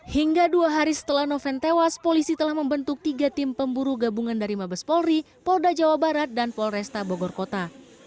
hingga dua hari setelah noven tewas polisi telah membentuk tiga tim pemburu gabungan dari mabes polri polda jawa barat dan polresta bogor kota